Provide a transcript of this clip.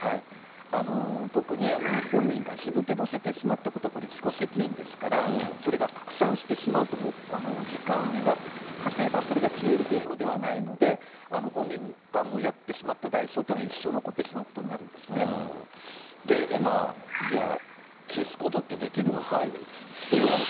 特に本人が自分で載せてしまったことは、これ、自己責任ですから、それが拡散してしまうともう、時間がたてばそれが消えるというものではないので、本人がもうやってしまった代償というのは、一生じゃあ、消すことってできるどうなのか？